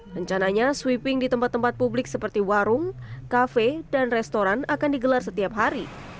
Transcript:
rencananya sweeping di tempat tempat publik seperti warung kafe dan restoran akan digelar setiap hari